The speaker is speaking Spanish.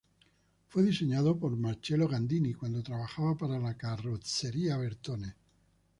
Fue diseñado por Marcello Gandini cuando trabajaba para la Carrozzeria Bertone.